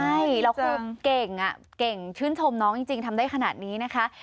ใช่แล้วคือเก่งเก่งชื่นชมน้องจริงทำได้ขนาดนี้นะคะ